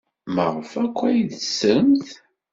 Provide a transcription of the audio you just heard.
Maɣef akk ay d-ttremt?